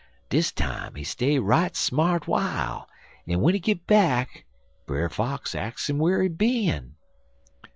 "Dis time he stay right smart w'ile, en w'en he git back Brer Fox ax him whar he bin.